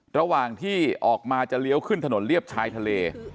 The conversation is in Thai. ระหว่างที่ออกมาจะเลี้ยวขึ้นถนนเรียบชายทะเล